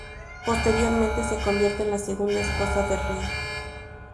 Posteriormente se convierte en la segunda esposa de Read.